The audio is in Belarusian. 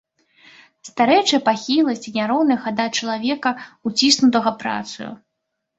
Старэчая пахіласць і няроўная хада чалавека, уціснутага працаю.